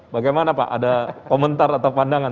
bagaimana pak ada komentar atau pandangan